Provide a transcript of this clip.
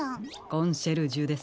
コンシェルジュです。